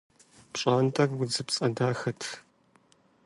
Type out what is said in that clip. ПщӀантӀэр удзыпцӀэ дахэт.